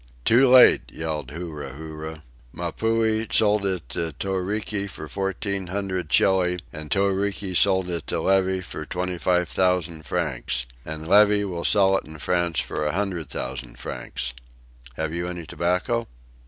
"Too late," yelled Huru Huru. "Mapuhi sold it to Toriki for fourteen hundred Chili, and Toriki sold it to Levy for twenty five thousand francs. And Levy will sell it in France for a hundred thousand francs. Have you any tobacco?"